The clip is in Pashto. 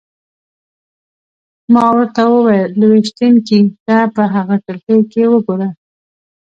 ما ورته وویل: لویشتينکې! ته په هغه کړکۍ کې وګوره.